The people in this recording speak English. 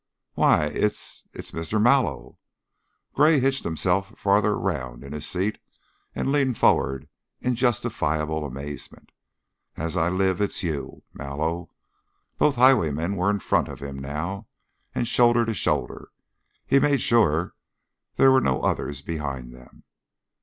"Why! It's it's Mr. Mallow!" Gray hitched himself farther around in his seat and leaned forward in justifiable amazement. "As I live it's you, Mallow!" Both highwaymen were in front of him, now, and shoulder to shoulder; he made sure there were no others behind them.